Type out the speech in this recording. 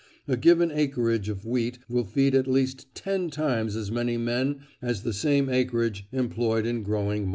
A given acreage of wheat will feed at least ten times as many men as the same acreage employed in growing mutton."